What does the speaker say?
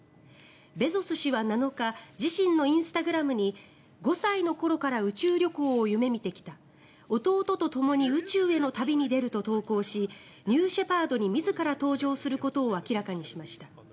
ベゾス氏は７日自身のインスタグラムに５歳の頃から宇宙旅行を夢見てきた弟とともに宇宙への旅に出ると投稿しニューシェパードに自ら搭乗することを明らかにしました。